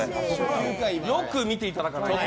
よく見ていただかないと。